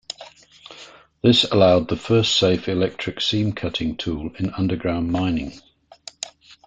This allowed the first safe electric seam cutting tool in underground mining.